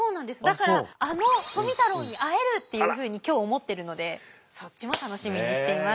だからあの富太郎に会えるっていうふうに今日思ってるのでそっちも楽しみにしています。